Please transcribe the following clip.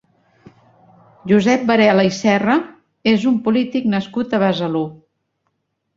Josep Varela i Serra és un polític nascut a Besalú.